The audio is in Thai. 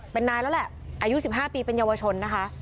เป็นนายแล้วแหละอายุ๑๕ปีเป็นเยาวชนนะคะ